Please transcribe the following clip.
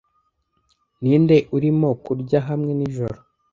Ninde urimo kurya hamwe nijoro?